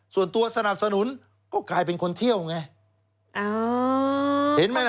ส่วนตัวสนับสนุนก็กลายเป็นคนเที่ยวไง